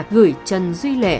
gửi chân duy lệ